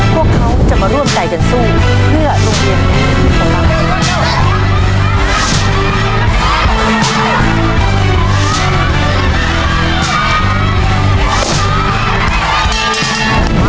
พวกเขาจะมาร่วมใจกันสู้เพื่อโรงเรียนนี้ของเรา